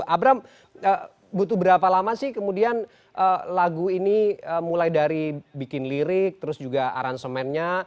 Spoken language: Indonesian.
abram butuh berapa lama sih kemudian lagu ini mulai dari bikin lirik terus juga aransemennya